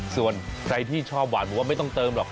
ส่วนใครที่ชอบหวานบอกว่าไม่ต้องเติมหรอก